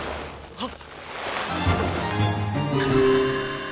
あっ。